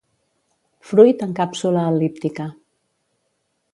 Fruit en càpsula el·líptica.